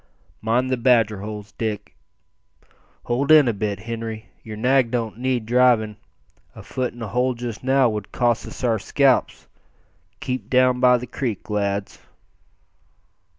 Mind the badger holes, Dick. Hold in a bit, Henri; yer nag don't need drivin'; a foot in a hole just now would cost us our scalps. Keep down by the creek, lads."